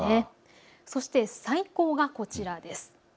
そして最高はこちらです。